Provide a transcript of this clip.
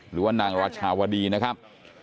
หรือว่านางราชาวดีนะครับ